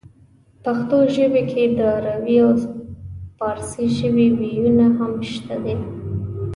پښتو ژبې کې د عربۍ او پارسۍ ژبې وييونه هم شته دي